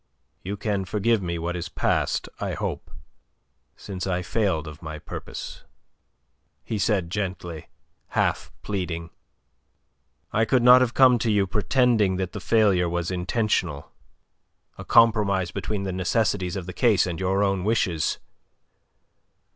"You can forgive me what is past, I hope, since I failed of my purpose," he said gently, half pleading. "I could not have come to you pretending that the failure was intentional a compromise between the necessities of the case and your own wishes.